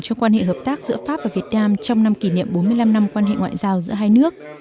cho quan hệ hợp tác giữa pháp và việt nam trong năm kỷ niệm bốn mươi năm năm quan hệ ngoại giao giữa hai nước